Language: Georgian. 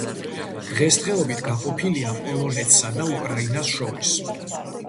დღესდღეობით გაყოფილია პოლონეთსა და უკრაინას შორის.